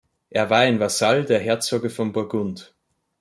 Er war ein Vasall der Herzoge von Burgund.